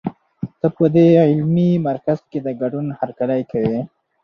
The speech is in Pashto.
ته په دې علمي مرکز کې د ګډون هرکلی کوي.